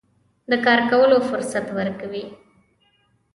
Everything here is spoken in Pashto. د کار کولو فرصت ورکوي.